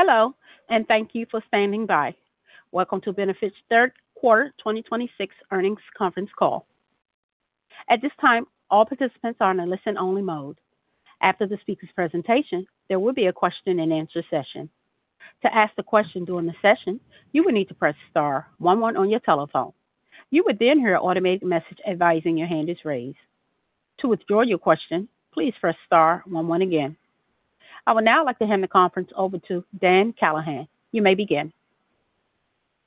Hello, and thank you for standing by. Welcome to Beneficient's third quarter 2026 earnings conference call. At this time, all participants are in a listen-only mode. After the speaker's presentation, there will be a question-and-answer session. To ask a question during the session, you will need to press star one one on your telephone. You would then hear an automated message advising your hand is raised. To withdraw your question, please press star one one again. I would now like to hand the conference over to Dan Callahan. You may begin.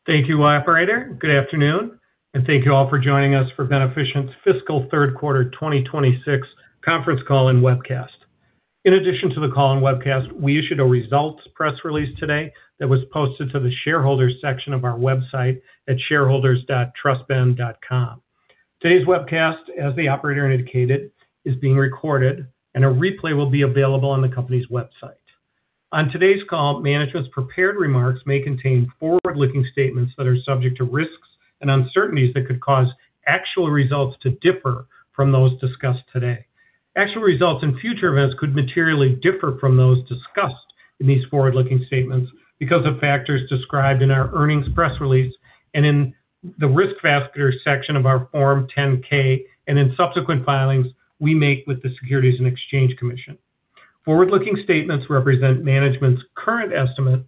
Thank you, operator. Good afternoon, and thank you all for joining us for Beneficient's fiscal third quarter 2026 conference call and webcast. In addition to the call and webcast, we issued a results press release today that was posted to the Shareholders section of our website at shareholders.trustben.com. Today's webcast, as the operator indicated, is being recorded, and a replay will be available on the company's website. On today's call, management's prepared remarks may contain forward-looking statements that are subject to risks and uncertainties that could cause actual results to differ from those discussed today. Actual results and future events could materially differ from those discussed in these forward-looking statements because of factors described in our earnings press release and in the Risk Factors section of our Form 10-K and in subsequent filings we make with the Securities and Exchange Commission. Forward-looking statements represent management's current estimate,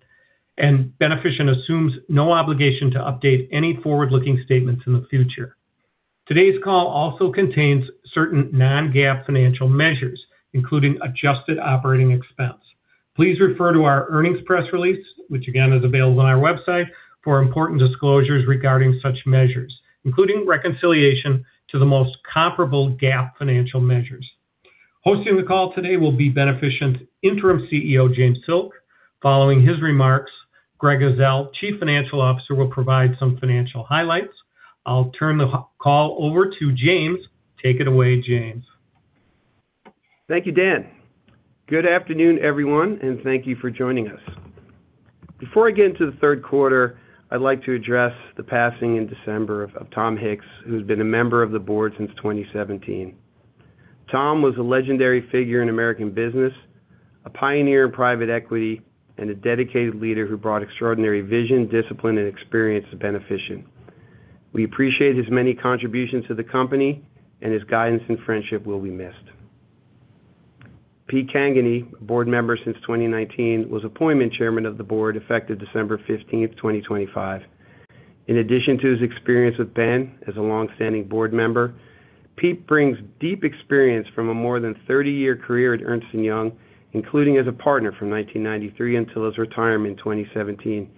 and Beneficient assumes no obligation to update any forward-looking statements in the future. Today's call also contains certain non-GAAP financial measures, including adjusted operating expense. Please refer to our earnings press release, which again, is available on our website, for important disclosures regarding such measures, including reconciliation to the most comparable GAAP financial measures. Hosting the call today will be Beneficient's Interim CEO, James Silk. Following his remarks, Greg Ezell, Chief Financial Officer, will provide some financial highlights. I'll turn the call over to James. Take it away, James. Thank you, Dan. Good afternoon, everyone, and thank you for joining us. Before I get into the third quarter, I'd like to address the passing in December of Tom Hicks, who's been a member of the board since 2017. Tom was a legendary figure in American business, a pioneer in private equity, and a dedicated leader who brought extraordinary vision, discipline, and experience to Beneficient. We appreciate his many contributions to the company, and his guidance and friendship will be missed. Pete Cangany, a board member since 2019, was appointed Chairman of the Board, effective December 15, 2025. In addition to his experience with Ben as a longstanding board member, Pete brings deep experience from a more than 30-year career at Ernst & Young, including as a partner from 1993 until his retirement in 2017.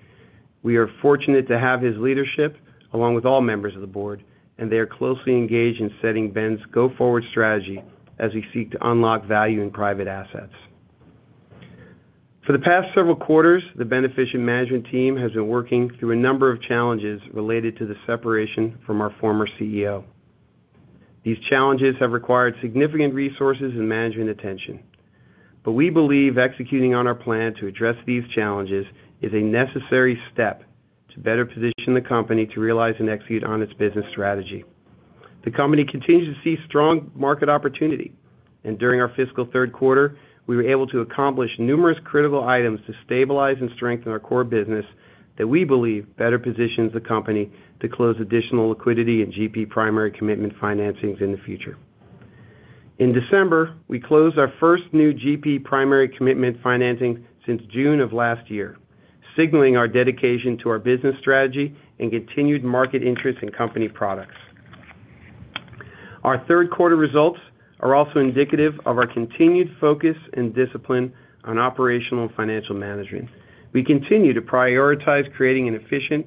We are fortunate to have his leadership, along with all members of the board, and they are closely engaged in setting Ben's go-forward strategy as we seek to unlock value in private assets. For the past several quarters, the Beneficient management team has been working through a number of challenges related to the separation from our former CEO. These challenges have required significant resources and management attention, but we believe executing on our plan to address these challenges is a necessary step to better position the company to realize and execute on its business strategy. The company continues to see strong market opportunity, and during our fiscal third quarter, we were able to accomplish numerous critical items to stabilize and strengthen our core business that we believe better positions the company to close additional liquidity and GP Primary Commitment financings in the future. In December, we closed our first new GP Primary Commitment Financing since June of last year, signaling our dedication to our business strategy and continued market interest in company products. Our third quarter results are also indicative of our continued focus and discipline on operational and financial management. We continue to prioritize creating an efficient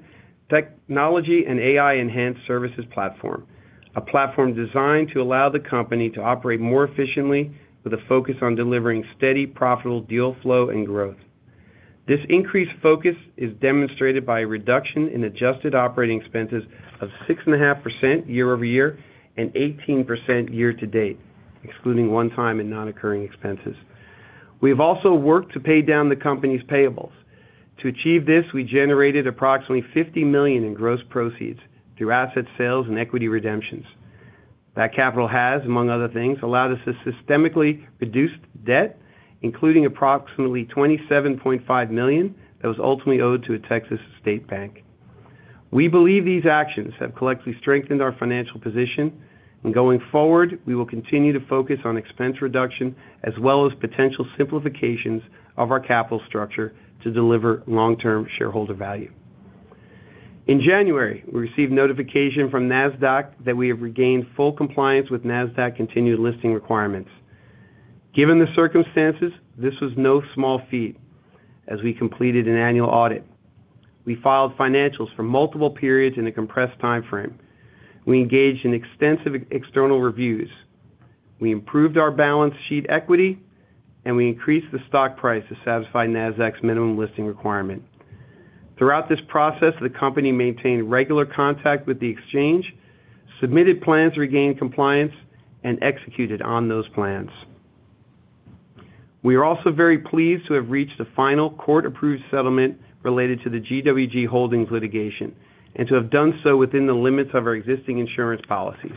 technology and AI-enhanced services platform, a platform designed to allow the company to operate more efficiently with a focus on delivering steady, profitable deal flow and growth. This increased focus is demonstrated by a reduction in adjusted operating expenses of 6.5% year-over-year and 18% year-to-date, excluding one-time and non-occurring expenses. We have also worked to pay down the company's payables. To achieve this, we generated approximately $50 million in gross proceeds through asset sales and equity redemptions. That capital has, among other things, allowed us to systemically reduce debt, including approximately $27.5 million that was ultimately owed to a Texas state bank. We believe these actions have collectively strengthened our financial position, and going forward, we will continue to focus on expense reduction as well as potential simplifications of our capital structure to deliver long-term shareholder value. In January, we received notification from Nasdaq that we have regained full compliance with Nasdaq continued listing requirements. Given the circumstances, this was no small feat as we completed an annual audit. We filed financials for multiple periods in a compressed timeframe. We engaged in extensive external reviews. We improved our balance sheet equity, and we increased the stock price to satisfy Nasdaq's minimum listing requirement. Throughout this process, the company maintained regular contact with the exchange, submitted plans to regain compliance, and executed on those plans. We are also very pleased to have reached a final court-approved settlement related to the GWG Holdings litigation and to have done so within the limits of our existing insurance policies.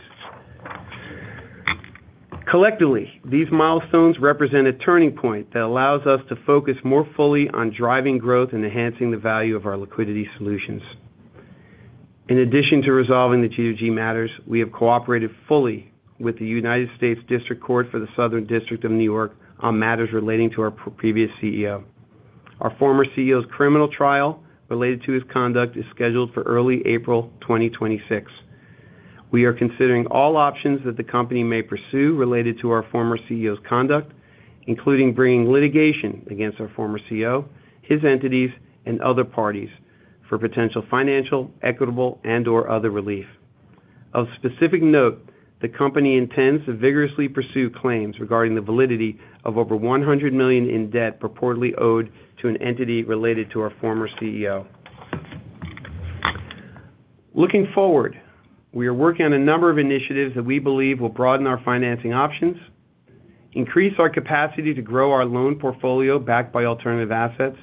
Collectively, these milestones represent a turning point that allows us to focus more fully on driving growth and enhancing the value of our liquidity solutions. In addition to resolving the GWG matters, we have cooperated fully with the United States District Court for the Southern District of New York on matters relating to our previous CEO. Our former CEO's criminal trial related to his conduct is scheduled for early April 2026. We are considering all options that the company may pursue related to our former CEO's conduct, including bringing litigation against our former CEO, his entities, and other parties for potential financial, equitable, and/or other relief. Of specific note, the company intends to vigorously pursue claims regarding the validity of over $100 million in debt purportedly owed to an entity related to our former CEO. Looking forward, we are working on a number of initiatives that we believe will broaden our financing options, increase our capacity to grow our loan portfolio backed by alternative assets,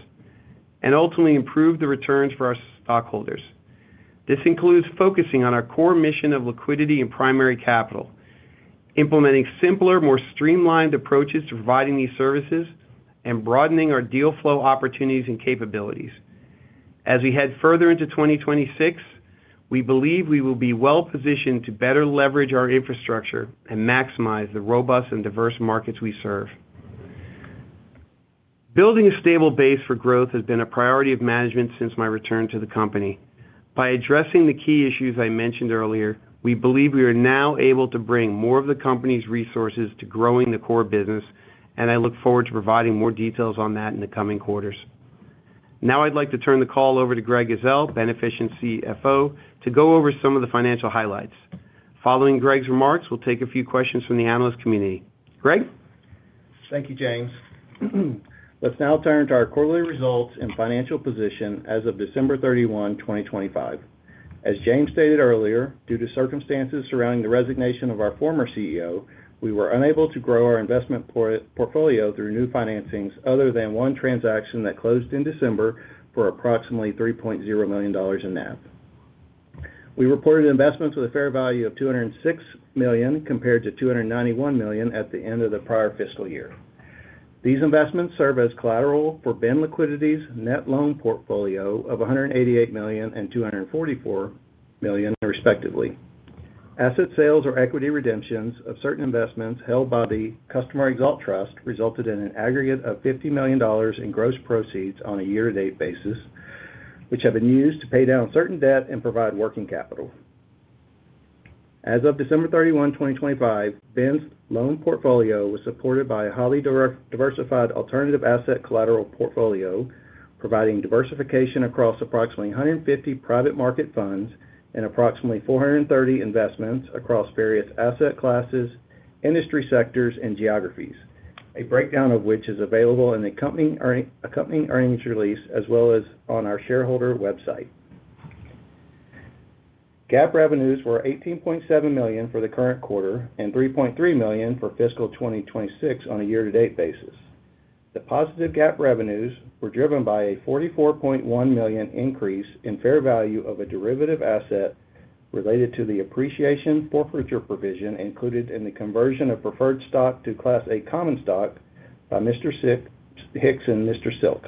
and ultimately improve the returns for our stockholders. This includes focusing on our core mission of liquidity and primary capital, implementing simpler, more streamlined approaches to providing these services, and broadening our deal flow opportunities and capabilities. As we head further into 2026, we believe we will be well-positioned to better leverage our infrastructure and maximize the robust and diverse markets we serve. Building a stable base for growth has been a priority of management since my return to the company. By addressing the key issues I mentioned earlier, we believe we are now able to bring more of the company's resources to growing the core business, and I look forward to providing more details on that in the coming quarters. Now I'd like to turn the call over to Greg Ezell, Beneficient CFO, to go over some of the financial highlights. Following Greg's remarks, we'll take a few questions from the analyst community. Greg? Thank you, James. Let's now turn to our quarterly results and financial position as of December 31, 2025. As James stated earlier, due to circumstances surrounding the resignation of our former CEO, we were unable to grow our investment portfolio through new financings, other than one transaction that closed in December for approximately $3.0 million in NAV. We reported investments with a fair value of $206 million, compared to $291 million at the end of the prior fiscal year. These investments serve as collateral for BEN Liquidity's net loan portfolio of $188 million and $244 million, respectively. Asset sales or equity redemptions of certain investments held by the Customer ExAlt Trusts resulted in an aggregate of $50 million in gross proceeds on a year-to-date basis, which have been used to pay down certain debt and provide working capital. As of December 31, 2025, BEN's loan portfolio was supported by a highly diversified alternative asset collateral portfolio, providing diversification across approximately 150 private market funds and approximately 430 investments across various asset classes, industry sectors, and geographies. A breakdown of which is available in the company's earnings accompanying earnings release, as well as on our shareholder website. GAAP revenues were $18.7 million for the current quarter and $3.3 million for fiscal 2026 on a year-to-date basis. The positive GAAP revenues were driven by a $44.1 million increase in fair value of a derivative asset related to the appreciation forfeiture provision included in the conversion of preferred stock to Class A common stock by Mr. Hicks and Mr. Silk.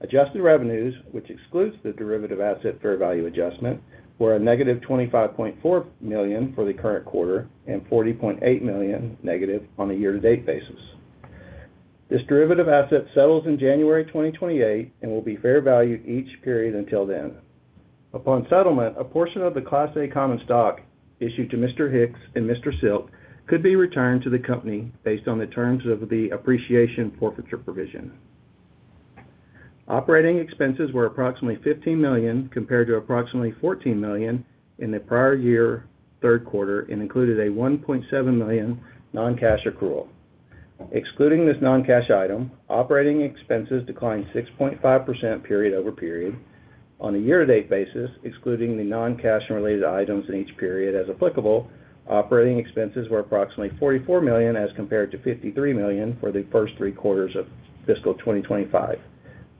Adjusted revenues, which excludes the derivative asset fair value adjustment, were a -$25.4 million for the current quarter and -$40.8 million on a year-to-date basis. This derivative asset settles in January 2028 and will be fair valued each period until then. Upon settlement, a portion of the Class A common stock issued to Mr. Hicks and Mr. Silk could be returned to the company based on the terms of the appreciation forfeiture provision. Operating expenses were approximately $15 million, compared to approximately $14 million in the prior year, third quarter, and included a $1.7 million non-cash accrual. Excluding this non-cash item, operating expenses declined 6.5% period-over-period. On a year-to-date basis, excluding the non-cash and related items in each period as applicable, operating expenses were approximately $44 million as compared to $53 million for the first three quarters of fiscal 2025,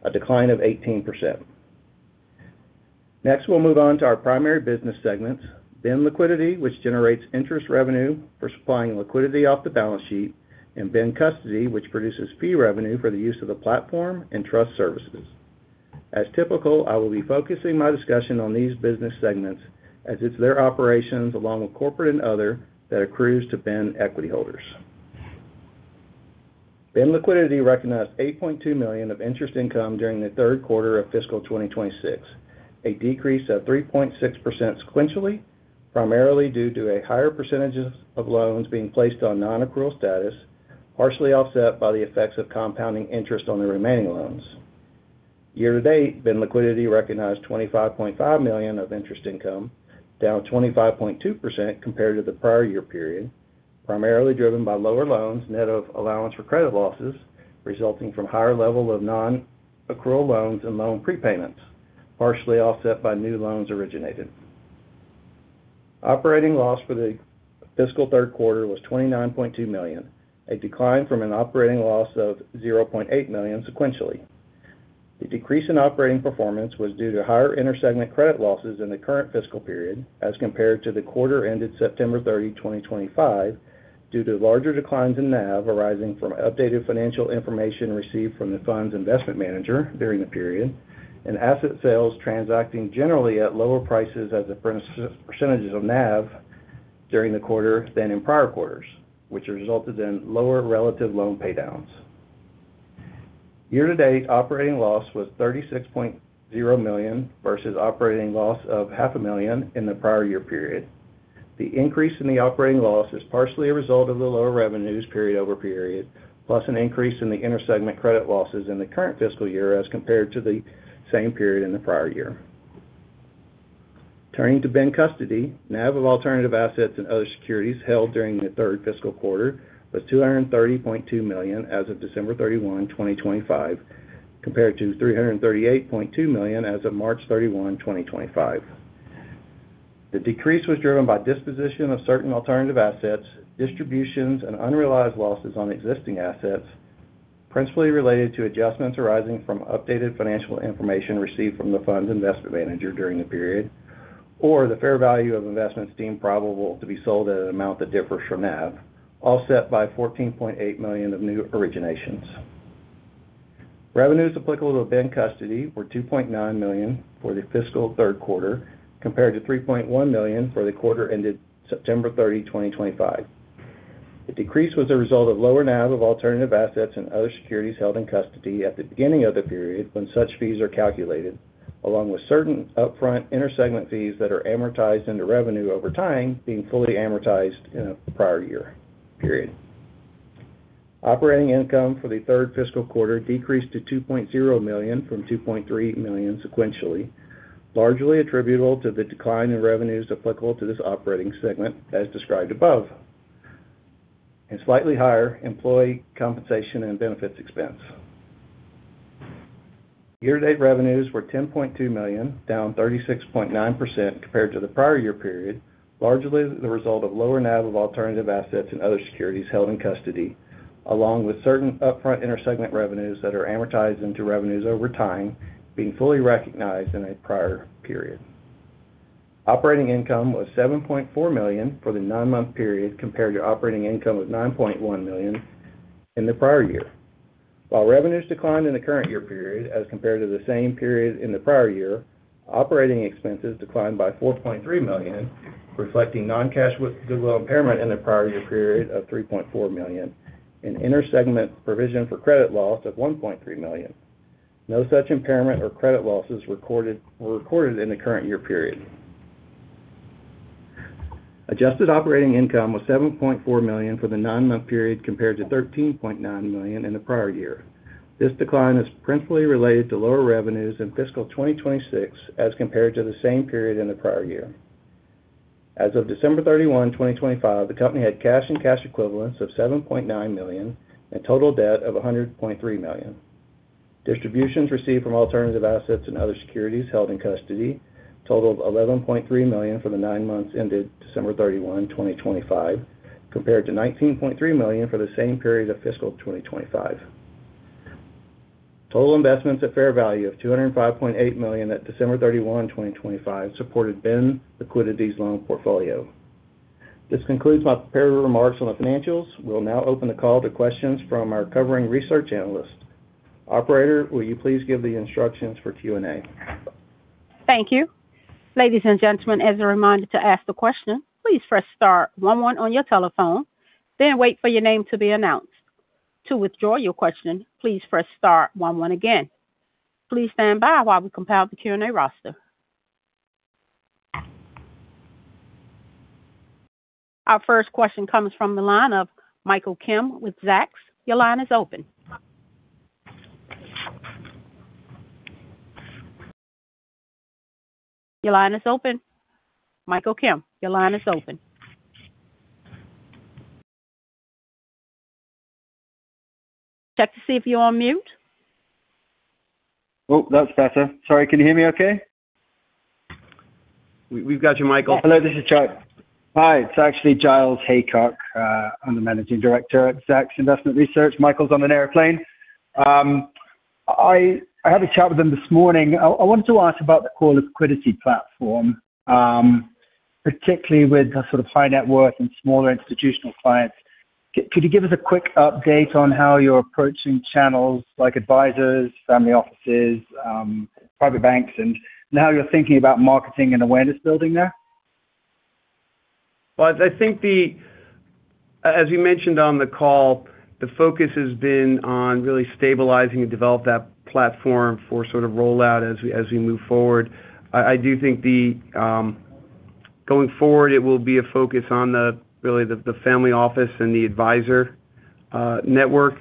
a decline of 18%. Next, we'll move on to our primary business segments, Ben Liquidity, which generates interest revenue for supplying liquidity off the balance sheet, and Ben Custody, which produces fee revenue for the use of the platform and trust services. As typical, I will be focusing my discussion on these business segments as it's their operations, along with corporate and other, that accrues to Ben equity holders. Ben Liquidity recognized $8.2 million of interest income during the third quarter of fiscal 2026, a decrease of 3.6% sequentially, primarily due to a higher percentages of loans being placed on non-accrual status, partially offset by the effects of compounding interest on the remaining loans. Year to date, Ben Liquidity recognized $25.5 million of interest income, down 25.2% compared to the prior year period, primarily driven by lower loans net of allowance for credit losses, resulting from higher level of non-accrual loans and loan prepayments, partially offset by new loans originated. Operating loss for the fiscal third quarter was $29.2 million, a decline from an operating loss of $0.8 million sequentially. The decrease in operating performance was due to higher intersegment credit losses in the current fiscal period as compared to the quarter ended September 30, 2025, due to larger declines in NAV arising from updated financial information received from the fund's investment manager during the period, and asset sales transacting generally at lower prices as a percent, percentages of NAV during the quarter than in prior quarters, which resulted in lower relative loan paydowns. Year-to-date operating loss was $36.0 million versus operating loss of $0.5 million in the prior year period. The increase in the operating loss is partially a result of the lower revenues period-over-period, plus an increase in the intersegment credit losses in the current fiscal year as compared to the same period in the prior year. Turning to Ben Custody, NAV of alternative assets and other securities held during the third fiscal quarter was $230.2 million as of December 31, 2025, compared to $338.2 million as of March 31, 2025. The decrease was driven by disposition of certain alternative assets, distributions, and unrealized losses on existing assets, principally related to adjustments arising from updated financial information received from the fund's investment manager during the period, or the fair value of investments deemed probable to be sold at an amount that differs from NAV, all set by $14.8 million of new originations. Revenues applicable to Ben Custody were $2.9 million for the fiscal third quarter, compared to $3.1 million for the quarter ended September 30, 2025. The decrease was a result of lower NAV of alternative assets and other securities held in custody at the beginning of the period, when such fees are calculated, along with certain upfront intersegment fees that are amortized into revenue over time, being fully amortized in a prior year period. Operating income for the third fiscal quarter decreased to $2.0 million from $2.3 million sequentially, largely attributable to the decline in revenues applicable to this operating segment, as described above, and slightly higher employee compensation and benefits expense. Year-to-date revenues were $10.2 million, down 36.9% compared to the prior year period, largely the result of lower NAV of alternative assets and other securities held in custody, along with certain upfront intersegment revenues that are amortized into revenues over time, being fully recognized in a prior period. Operating income was $7.4 million for the nine-month period, compared to operating income of $9.1 million in the prior year. While revenues declined in the current year period as compared to the same period in the prior year, operating expenses declined by $4.3 million, reflecting non-cash, with goodwill impairment in the prior year period of $3.4 million and intersegment provision for credit loss of $1.3 million. No such impairment or credit losses were recorded in the current year period. Adjusted operating income was $7.4 million for the nine-month period, compared to $13.9 million in the prior year. This decline is principally related to lower revenues in fiscal 2026 as compared to the same period in the prior year. As of December 31, 2025, the company had cash and cash equivalents of $7.9 million and total debt of $100.3 million. Distributions received from alternative assets and other securities held in custody totaled $11.3 million for the nine months ended December 31, 2025, compared to $19.3 million for the same period of fiscal 2025. Total investments at fair value of $205.8 million at December 31, 2025, supported Ben Liquidity's loan portfolio. This concludes my prepared remarks on the financials. We'll now open the call to questions from our covering research analysts. Operator, will you please give the instructions for Q&A? Thank you. Ladies and gentlemen, as a reminder to ask the question, please press star one one on your telephone, then wait for your name to be announced. To withdraw your question, please press star one one again. Please stand by while we compile the Q&A roster. Our first question comes from the line of Michael Kim with Zacks. Your line is open. Your line is open. Michael Kim, your line is open. Check to see if you're on mute. Oh, that's better. Sorry, can you hear me okay? We've got you, Michael. Hello, this is Giles. Hi, it's actually Giles Haycock. I'm the Managing Director at Zacks Investment Research. Michael's on an airplane. I had a chat with him this morning. I wanted to ask about the core liquidity platform, particularly with the sort of high net worth and smaller institutional clients. Could you give us a quick update on how you're approaching channels like advisors, family offices, private banks, and how you're thinking about marketing and awareness building there? Well, I think as you mentioned on the call, the focus has been on really stabilizing and develop that platform for sort of rollout as we move forward. I do think going forward, it will be a focus on really the family office and the advisor network,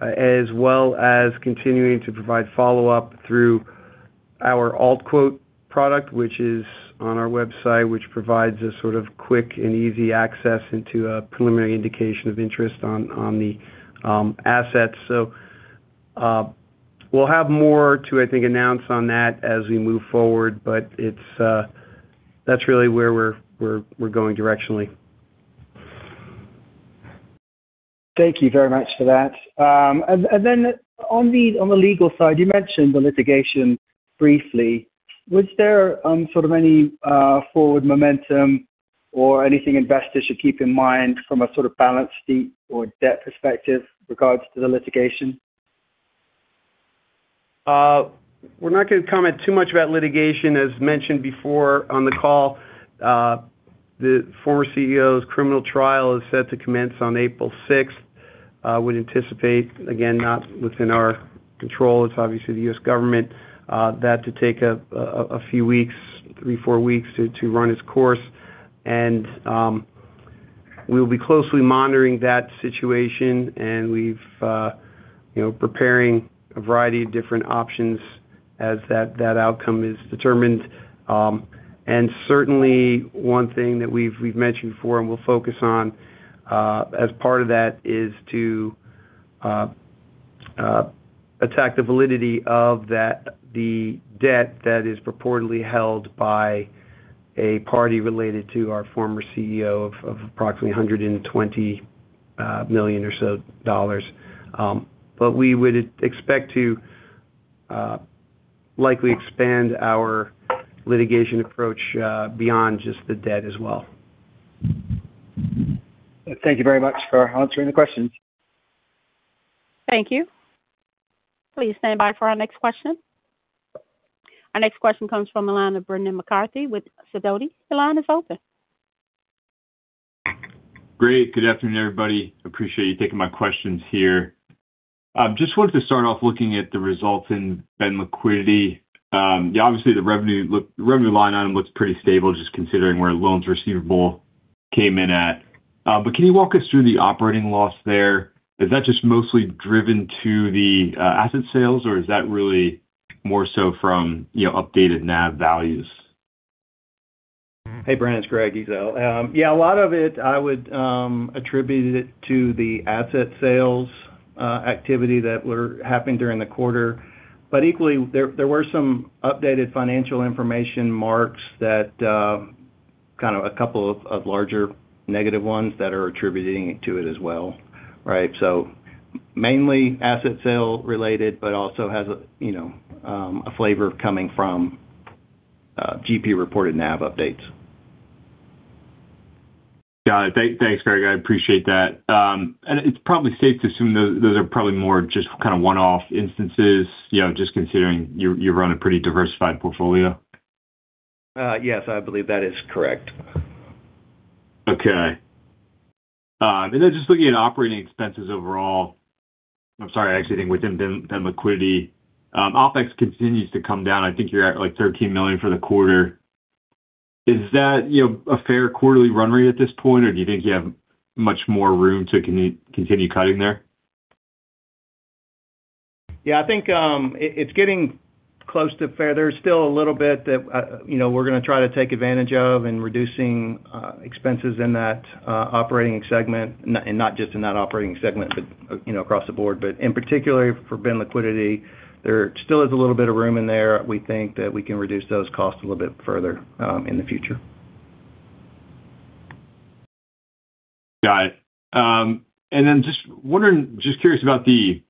as well as continuing to provide follow-up through our AltQuote product, which is on our website, which provides a sort of quick and easy access into a preliminary indication of interest on the assets. So, we'll have more to, I think, announce on that as we move forward, but it's, that's really where we're going directionally. ...Thank you very much for that. And then on the legal side, you mentioned the litigation briefly. Was there sort of any forward momentum or anything investors should keep in mind from a sort of balance sheet or debt perspective regards to the litigation? We're not going to comment too much about litigation. As mentioned before on the call, the former CEO's criminal trial is set to commence on April 6. Would anticipate, again, not within our control, it's obviously the U.S. government, that to take a few weeks, three to four weeks, to run its course. And, we will be closely monitoring that situation, and we've you know preparing a variety of different options as that outcome is determined. And certainly one thing that we've mentioned before and we'll focus on, as part of that, is to attack the validity of that, the debt that is purportedly held by a party related to our former CEO of approximately $120 million. But we would expect to likely expand our litigation approach beyond just the debt as well. Thank you very much for answering the question. Thank you. Please stand by for our next question. Our next question comes from the line of Brendan McCarthy with Sidoti. The line is open. Great. Good afternoon, everybody. Appreciate you taking my questions here. Just wanted to start off looking at the results in Ben Liquidity. Obviously, the revenue line item looks pretty stable, just considering where loans receivable came in at. Can you walk us through the operating loss there? Is that just mostly driven to the asset sales, or is that really more so from, you know, updated NAV values? Hey, Brian, it's Greg Ezell. Yeah, a lot of it, I would attribute it to the asset sales activity that were happening during the quarter. But equally, there were some updated financial information marks that kind of a couple of larger negative ones that are attributing to it as well, right? So mainly asset sale related, but also has a, you know, a flavor coming from GP reported NAV updates. Got it. Thanks, Greg. I appreciate that. It's probably safe to assume those are probably more just kind of one-off instances, you know, just considering you run a pretty diversified portfolio. Yes, I believe that is correct. Okay. And then just looking at operating expenses overall, I'm sorry, actually, within Ben Liquidity, OpEx continues to come down. I think you're at, like, $13 million for the quarter. Is that, you know, a fair quarterly run rate at this point, or do you think you have much more room to continue cutting there? Yeah, I think, it's getting close to fair. There's still a little bit that, you know, we're going to try to take advantage of in reducing expenses in that operating segment, and not just in that operating segment, but, you know, across the board. But in particular, for Ben Liquidity, there still is a little bit of room in there. We think that we can reduce those costs a little bit further, in the future. Got it. And then just wondering, just curious about the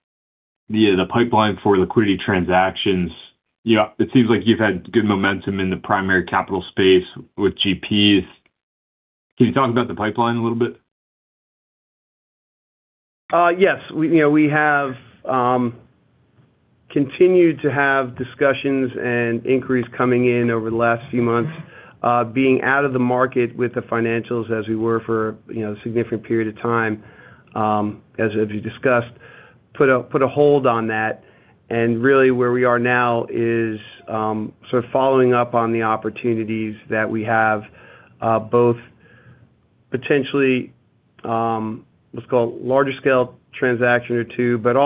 pipeline for liquidity transactions. You know, it seems like you've had good momentum in the primary capital space with GPs. Can you talk about the pipeline a little bit? Yes. We, you know, we have continued to have discussions and inquiries coming in over the last few months. Being out of the market with the financials as we were for, you know, a significant period of time, as we discussed, put a hold on that. And really where we are now is sort of following up on the opportunities that we have, both potentially, let's call it larger scale transaction or two, but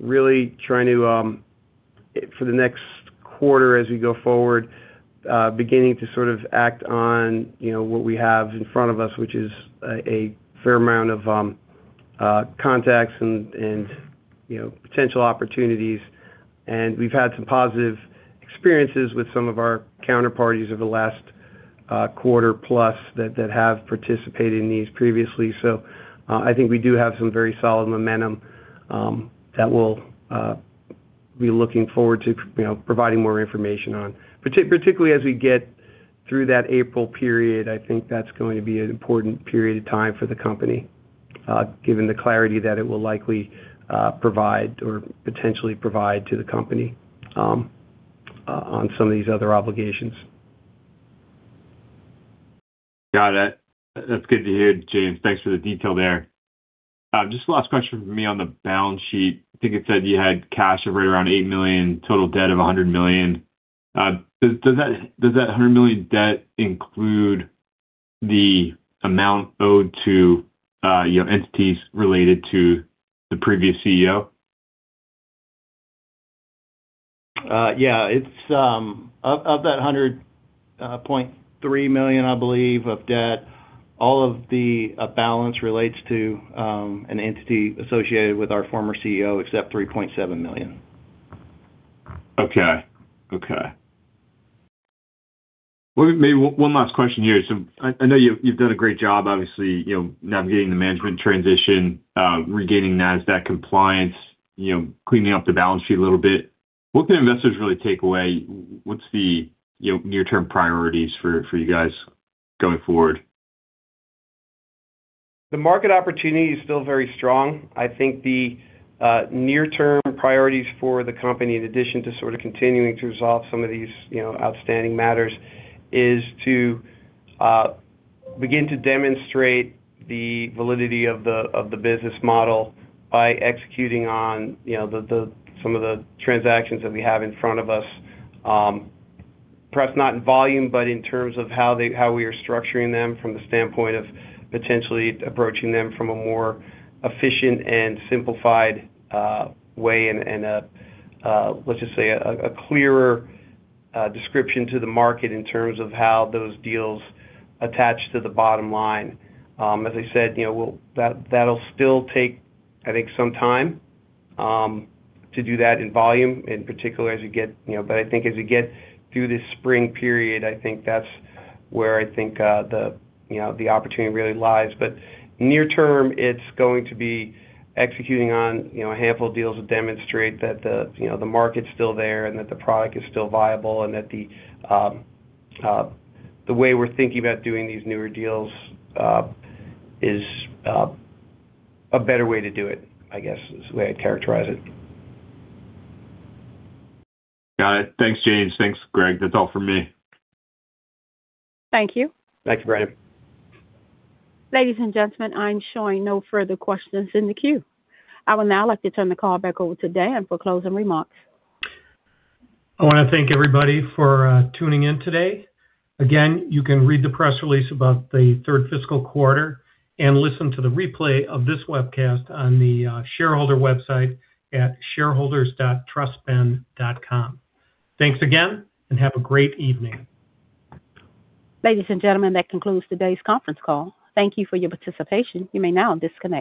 also really trying to, for the next quarter as we go forward, beginning to sort of act on, you know, what we have in front of us, which is a fair amount of contacts and, you know, potential opportunities. We've had some positive experiences with some of our counterparties over the last quarter, plus that have participated in these previously. So, I think we do have some very solid momentum that we'll be looking forward to, you know, providing more information on. Particularly as we get through that April period, I think that's going to be an important period of time for the company, given the clarity that it will likely provide or potentially provide to the company on some of these other obligations. Got it. That's good to hear, James. Thanks for the detail there. Just last question for me on the balance sheet. I think it said you had cash of right around $8 million, total debt of $100 million. Does that $100 million debt include the amount owed to, you know, entities related to the previous CEO? Yeah. It's of that $100.3 million, I believe, of debt. All of the balance relates to an entity associated with our former CEO, except $3.7 million. Okay. Okay. Well, maybe one last question here. So I know you've done a great job, obviously, you know, navigating the management transition, regaining Nasdaq compliance, you know, cleaning up the balance sheet a little bit. What can investors really take away? What's the, you know, near-term priorities for you guys going forward? The market opportunity is still very strong. I think the near-term priorities for the company, in addition to sort of continuing to resolve some of these, you know, outstanding matters, is to begin to demonstrate the validity of the business model by executing on, you know, some of the transactions that we have in front of us. Perhaps not in volume, but in terms of how we are structuring them from the standpoint of potentially approaching them from a more efficient and simplified way and, let's just say, a clearer description to the market in terms of how those deals attach to the bottom line. As I said, you know, we'll... That, that'll still take, I think, some time to do that in volume, in particular as you get, you know... But I think as you get through this spring period, I think that's where I think, the, you know, the opportunity really lies. But near term, it's going to be executing on, you know, a handful of deals that demonstrate that the, you know, the market's still there, and that the product is still viable, and that the, the way we're thinking about doing these newer deals, is, a better way to do it, I guess, is the way I'd characterize it. Got it. Thanks, James. Thanks, Greg. That's all from me. Thank you. Thanks, Brandon. Ladies and gentlemen, I'm showing no further questions in the queue. I would now like to turn the call back over to Dan for closing remarks. I wanna thank everybody for tuning in today. Again, you can read the press release about the third fiscal quarter and listen to the replay of this webcast on the shareholder website at shareholders.trustben.com. Thanks again, and have a great evening. Ladies and gentlemen, that concludes today's conference call. Thank you for your participation. You may now disconnect.